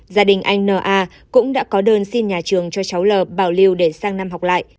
gia đình anh na cũng đã có đơn xin nhà trường cho cháu l bảo lưu để sang năm học lại